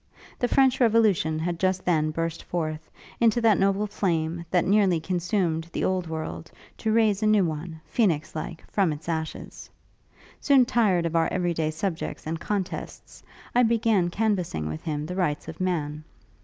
The French Revolution had just then burst forth, into that noble flame that nearly consumed the old world, to raise a new one, phoenix like, from its ashes. Soon tired of our every day subjects and contests, I began canvassing with him the Rights of Man.